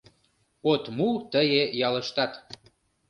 От му тые ялыштат!..